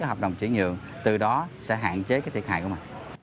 hợp đồng trị nhượng từ đó sẽ hạn chế thiệt hại của mình